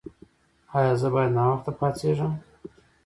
ایا زه باید ناوخته پاڅیږم؟